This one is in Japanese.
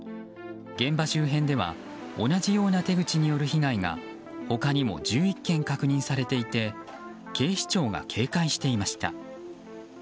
現場周辺では同じような手口による被害が他にも１１件確認されていて警視庁が警戒していました。